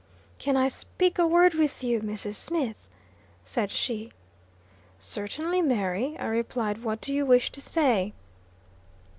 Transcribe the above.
"Can I speak a word with you, Mrs. Smith?" said she. "Certainly, Mary," I replied. "What do you wish to say?"